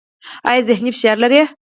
ایا ذهني فشار لرئ؟